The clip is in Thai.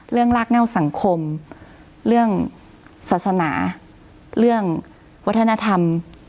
ลากเง่าสังคมเรื่องศาสนาเรื่องวัฒนธรรม